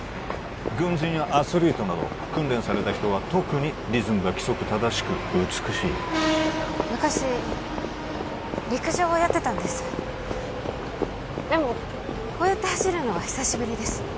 軍人やアスリートなど訓練された人は特にリズムが規則正しく美しい昔陸上をやってたんですでもこうやって走るのは久しぶりです